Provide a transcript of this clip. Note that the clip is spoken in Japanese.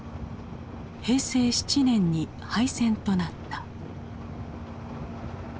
平成７年に廃線となった。